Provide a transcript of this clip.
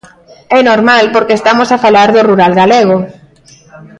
É normal, porque estamos a falar do rural galego.